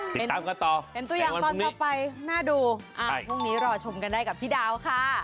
ติดตามกันต่อเห็นตัวอย่างตอนต่อไปน่าดูพรุ่งนี้รอชมกันได้กับพี่ดาวค่ะ